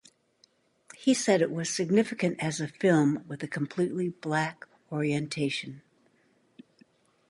He said it was significant as a film with a completely black orientation.